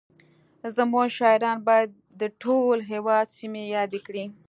زموږ شاعران باید د ټول هېواد سیمې یادې کړي